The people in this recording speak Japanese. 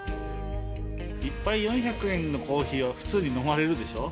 １杯４００円のコーヒーは、普通に飲まれるでしょう。